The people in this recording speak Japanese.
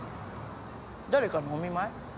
誰かのお見舞い？